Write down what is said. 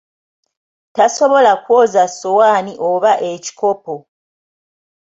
Tasobola kwoza ssowaani oba ekikopo!